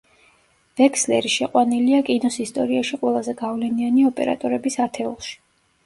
ვექსლერი შეყვანილია კინოს ისტორიაში ყველაზე გავლენიანი ოპერატორების ათეულში.